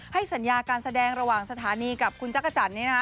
ให้สัญญาการแสดงระหว่างสถานีกับคุณจักรจันทร์